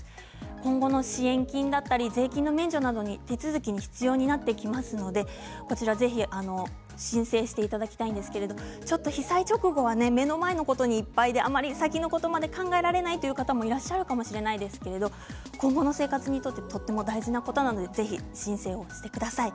今後の支援金だったり税金の免除などの手続きに必要になってきますのでぜひ申請していただきたいんですけれども被災直後は目の前のことにいっぱいで、先のことまで考えられないいう方もいらっしゃるかもしれませんけれども今後の生活にとってとても大事なことなのでぜひ申請をしてください。